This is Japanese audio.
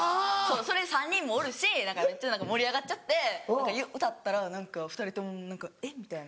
それで３人もおるしめっちゃ盛り上がっちゃって歌ったら何か２人とも「えっ？」みたいな。